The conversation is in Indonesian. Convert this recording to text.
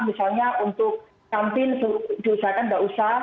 misalnya untuk kantin diusahakan tidak usah